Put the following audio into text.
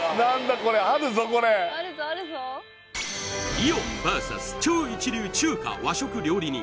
これあるぞこれイオンＶＳ超一流中華和食料理人